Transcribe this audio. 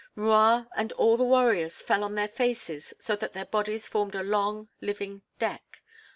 M'Rua and all the warriors fell on their faces so that their bodies formed a long, living deck.